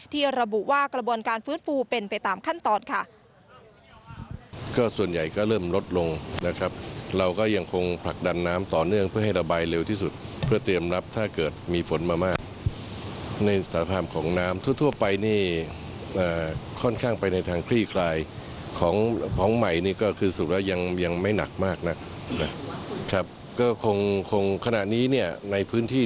ระบุว่ากระบวนการฟื้นฟูเป็นไปตามขั้นตอนค่ะ